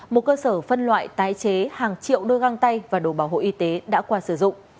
một cơ sở phân loại tái chế hàng triệu đôi găng tay và đồ bảo hộ y tế đã qua sử dụng